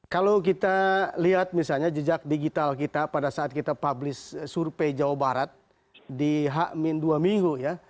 kalau kita lihat misalnya jejak digital kita pada saat kita publish survei jawa barat di h dua minggu ya